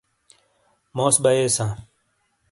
موس بیئیساں۔